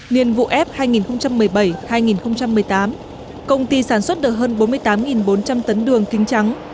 niên vụ f hai nghìn một mươi bảy hai nghìn một mươi tám công ty sản xuất được hơn bốn mươi tám bốn trăm linh tấn đường kính trắng